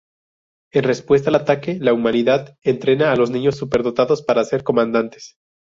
En respuesta al ataque, la Humanidad entrena a los niños superdotados para ser comandantes.